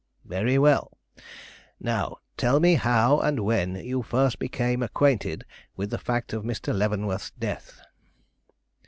"Very well; now tell me how and when you first became acquainted with the fact of Mr. Leavenworth's death."